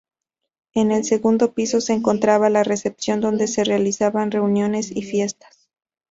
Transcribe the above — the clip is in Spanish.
En el segundo piso se encontraba la recepción, donde se realizaban reuniones y fiestas.